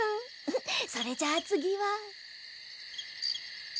それじゃあつぎは。